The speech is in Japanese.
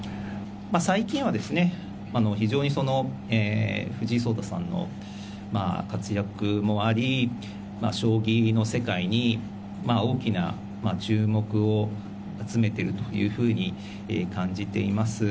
最近はですね、非常に藤井聡太さんの活躍もあり、将棋の世界に大きな注目を集めてるというふうに感じています。